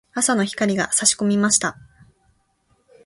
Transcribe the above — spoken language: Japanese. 朝の光が差し込みました。